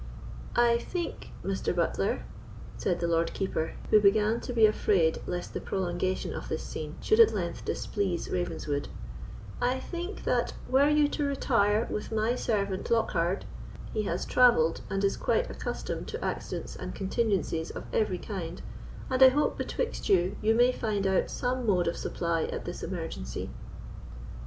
"I think, Mr. Butler," said the Lord Keeper, who began to be afraid lest the prolongation of this scene should at length displease Ravenswood—"I think that, were you to retire with my servant Lockhard—he has travelled, and is quite accustomed to accidents and contingencies of every kind, and I hope betwixt you, you may find out some mode of supply at this emergency."